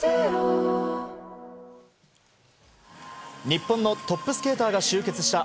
日本のトップスケーターが集結した